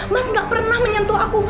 mas gak pernah menyentuh aku